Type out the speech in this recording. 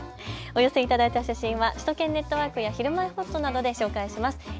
お寄せいただいた写真は首都圏ネットワークやひるまえほっとなどで紹介します。